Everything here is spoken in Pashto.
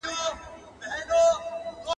• کښتۍ په نيت چلېږي.